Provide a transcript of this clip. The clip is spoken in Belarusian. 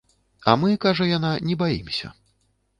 А мы, кажа яна, не баімся.